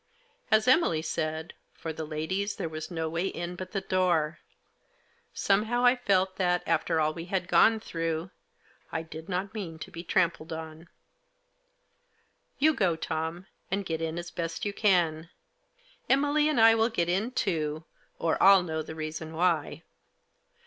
As Emily said, for the ladies there was no way in but the door. Somehow I felt that, after all we had gone through, I did not mean to be trampled on, " You go, Tom, and get in as best you can. Emily and I will get in too, or I'll know the reason why."